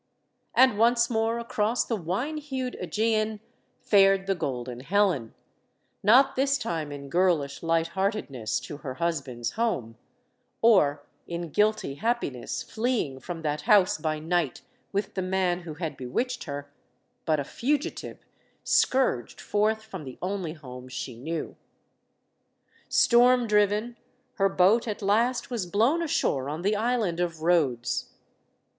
And once more across the "wine hued /Egean" fared the golden Helen, not this time in girlish light heartedness to her husband's home, or, in guilty hap piness, fleeing from that house by night with the man who had bewitched her, but a fugitive scourged forth from the only home she knew. Storm driven, her boat at last was blown ashore on the island of Rhodes.